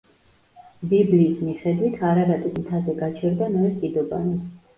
ბიბლიის მიხედვით არარატის მთაზე გაჩერდა ნოეს კიდობანი.